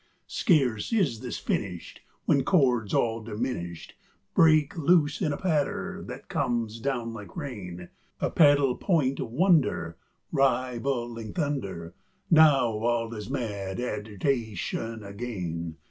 Scarce is this finished When chords all diminished Break loose in a patter that comes down like rain, A pedal point wonder Rivaling thunder. Now all is mad agitation again.